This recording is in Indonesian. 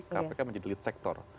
kpk menjadi lead sektor